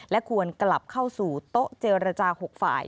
และควรกลับเข้าสู่โต๊ะเจรจา๖ฝ่าย